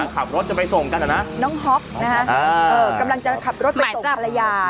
ขับรถจะไปส่งกันนะน้องฮ็อกนะฮะกำลังจะขับรถไปส่งภรรยา